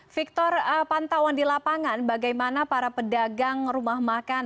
victor pantauan di lapangan bagaimana para pedagang rumah makan